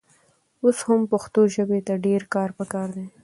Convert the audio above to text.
اوس هم پښتو ژبې ته ډېر کار پکار دی.